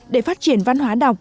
để phát triển văn hóa đọc